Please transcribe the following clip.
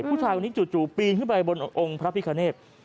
ผู้ชายคนนี้จู่ปีนขึ้นไปบนองค์พระพิคเนต